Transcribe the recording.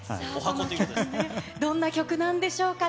どんな曲なんでしょうか。